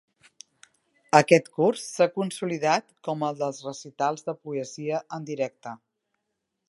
Aquest curs s'ha consolidat com el dels recitals de poesia en directe.